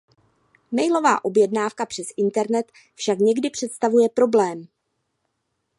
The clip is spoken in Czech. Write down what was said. Mailová objednávka přes internet však někdy představuje problém.